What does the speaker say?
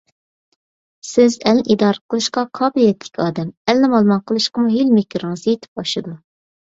سىز ئەلنى ئىدارە قىلىشقا قابىلىيەتلىك ئادەم، ئەلنى مالىمان قىلىشقىمۇ ھىيلە - مىكرىڭىز يېتىپ ئاشىدۇ!